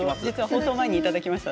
放送前にいただきました。